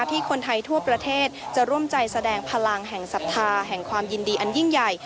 ที่คนไทยทั่วประเทศจะร่วมใจแสดงพลังแห่งศรัทธาแห่งความยินดีอันยิ่งใหญ่